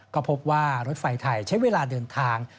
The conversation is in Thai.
ก็พบว่ารถไฟไทยใช้เวลาเดินทาง